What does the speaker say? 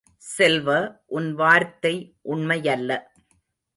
செல்வ, உன் வார்த்தை உண்மையல்ல.